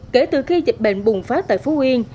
kể từ khi dịch bệnh bùng phát tại phú yên